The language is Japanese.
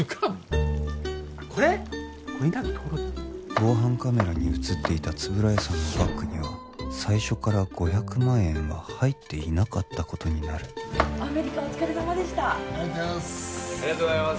防犯カメラに写っていた円谷さんのバッグには最初から５００万円は入っていなかったことになるアメリカお疲れさまでしたありがとうございますありがとうございます